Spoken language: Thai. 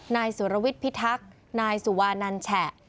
นายสุรวิทย์พิทักษ์นายสุวานันแฉะ